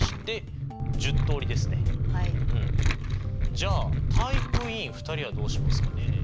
じゃあ体育委員２人はどうしますかね。